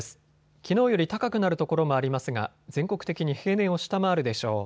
きのうより高くなる所もありますが全国的に平年を下回るでしょう。